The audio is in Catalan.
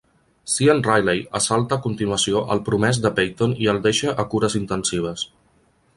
Sean Riley assalta a continuació el promès de Peyton i el deixa a cures intensives.